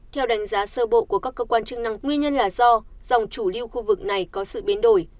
theo đánh giá sơ bộ của các cơ quan chức năng nguyên nhân là do dòng chủ lưu khu vực này có sự biến đổi